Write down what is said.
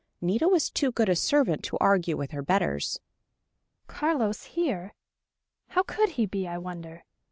Nita was too good a servant to argue with her betters. "Carlos here? How could he be, I wonder?"